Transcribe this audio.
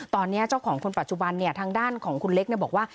ตอนนี้เจ้าของคนปัจจุบันทางด้านของคุณเล็กบอกว่า